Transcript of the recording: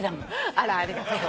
あらありがとう。